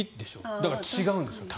だから違うんでしょう。